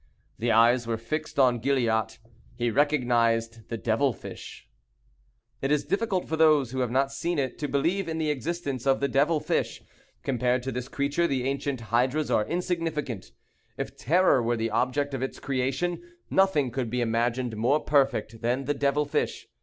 The eyes were fixed on Gilliatt. He recognized the devil fish. It is difficult for those who have not seen it to believe in the existence of the devil fish. Compared to this creature, the ancient hydras are insignificant. If terror were the object of its creation, nothing could be imagined more perfect than the devil fish.